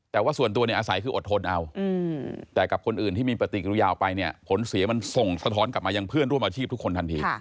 แต่ว่าส่วนตัวเนี่ยอาศัยคืออดทนเอาแต่กับคนอื่นที่มีปฏิกิริยาออกไปเนี่ยผลเสียมันส่งสะท้อนกลับมายังเพื่อนร่วมอาชีพทุกคนทันที